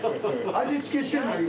味付けしてないよ。